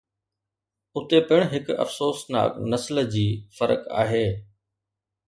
اتي پڻ هڪ افسوسناڪ نسل جي فرق آهي